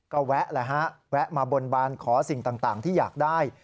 ก็แวะมาบนบานขอสิ่งต่างที่อยากได้